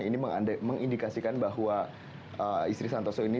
ini mengindikasikan bahwa istri santoso ini